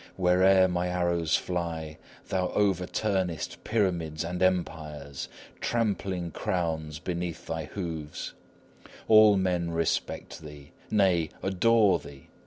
Where'er my arrows fly, thou overturnest pyramids and empires, trampling crowns beneath thy hoofs; All men respect thee; nay, adore thee!